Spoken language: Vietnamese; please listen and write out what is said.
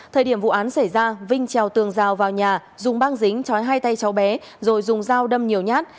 thời điểm vụ án xảy ra vinh treo tường rào vào nhà dùng băng dính trói hai tay cháu bé rồi dùng rào đâm nhiều nhát